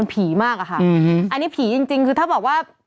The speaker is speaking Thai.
มันผีมากอะค่ะอือฮืออันนี้ผีจริงจริงคือถ้าบอกว่า